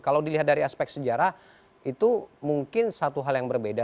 kalau dilihat dari aspek sejarah itu mungkin satu hal yang berbeda